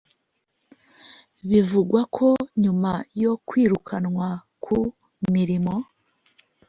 Bivugwa ko nyuma yo kwirukanwa ku mirimo